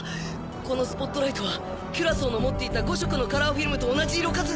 このスポットライトはキュラソーの持っていた５色のカラーフィルムと同じ色数